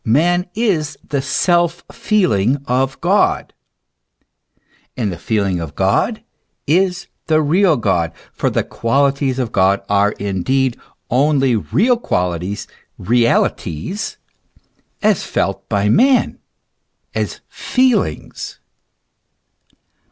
man is the self feeling of God; and the feeling of God is the real God; for the qualities of God are indeed only real qualities, realities, as felt by man, as feelings.